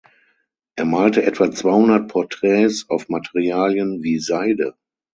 Er malte etwa zweihundert Porträts auf Materialien wie Seide.